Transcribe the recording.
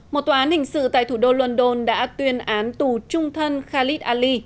một tòa án hình sự tại thủ đô london đã tuyên án tù trung thân khalid ali